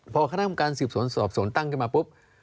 พอคณะกรรมการสืบสวนสอบสวนตั้งขึ้นมาปุ๊บ